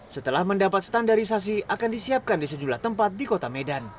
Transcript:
setelah mendapat standarisasi akan disiapkan di sejumlah tempat di kota medan